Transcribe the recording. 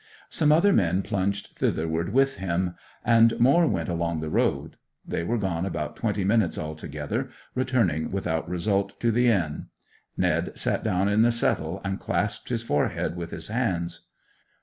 Some other men plunged thitherward with him, and more went along the road. They were gone about twenty minutes altogether, returning without result to the inn. Ned sat down in the settle, and clasped his forehead with his hands.